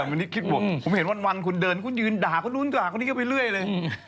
คุณที่คิดบวคผมเห็นวันคุณเดินคุณยืนด่าเขาลุ้นตากอีกไปเรื่อยเลย